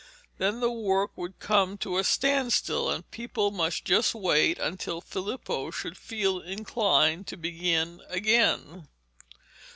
Then the work would come to a stand still, and people must just wait until Filippo should feel inclined to begin again.